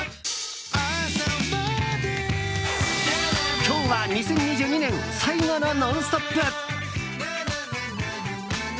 今日は２０２２年最後の「ノンストップ！」。